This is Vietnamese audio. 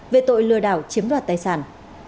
về tội lừa đảo chiếm đoạt tài sản